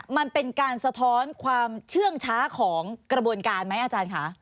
มันเป็นการสะท้อนความเชื่องช้าของกระบวนการไหมอาจารย์ค่ะ